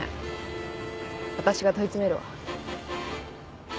私が問い詰めるわ。